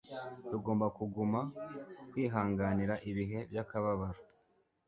tugomba kuguma, kwihanganira ibihe by'akababaro